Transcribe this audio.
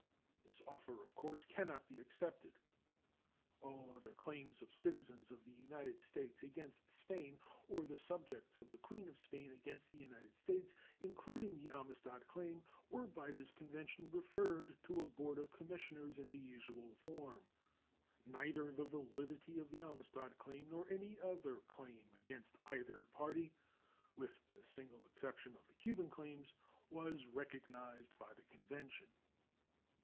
This offer, of course, can not be accepted. All other claims of citizens of the United States against Spain, or the subjects of the Queen of Spain against the United States, including the Amistad claim, were by this convention referred to a board of commissioners in the usual form. Neither the validity of the Amistad claim nor of any other claim against either party, with the single exception of the Cuban claims, was recognized by the convention.